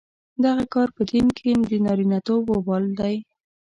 دغه کار په دین کې د نارینتوب وبال دی.